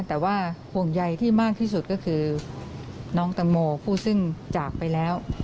แต่ว่าห่วงใยที่มากที่สุดก็คือน้องตังโมผู้ซึ่งจากไปแล้ว